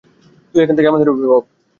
তুই এখন থেকে আমাদের অভিবাবক।